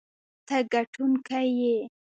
ته ګټونکی یې.